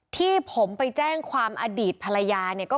ที่ผมจะแจ้งอดีตภรณากรรมกัน